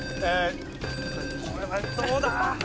これはどうだ？